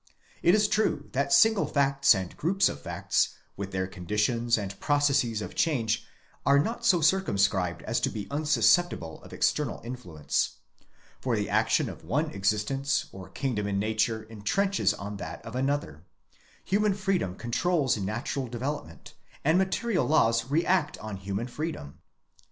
It is true that single facts and groups of facts, with their conditions and processes of change, are not so circumscribed as to be unsusceptible of external influence ; for the action of one existence or kingdom in nature intrenches on that of another : human freedom controls natural development, and material laws react on human freedom.